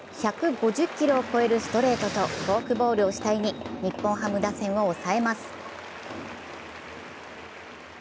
１５０キロを超えるストレートとフォークボールを主体に日本ハム打線を抑えます。